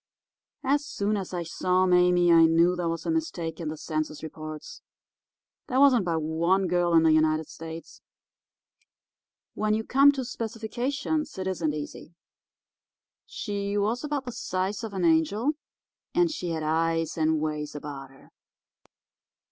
"As soon as I saw Mame I knew there was a mistake in the census reports. There wasn't but one girl in the United States. When you come to specifications it isn't easy. She was about the size of an angel, and she had eyes, and ways about her.